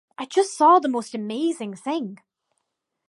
I just saw the most amazing thing!